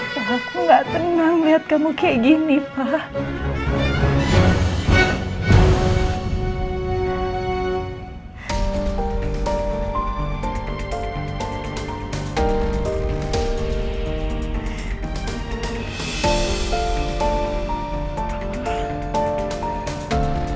pak aku nggak tenang melihat kamu kayak gini pak